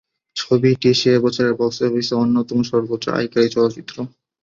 ছবিটি সে বছরের বক্স অফিসে অন্যতম সর্বোচ্চ আয়কারী চলচ্চিত্র।